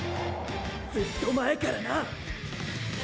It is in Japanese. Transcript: ずっと前からな！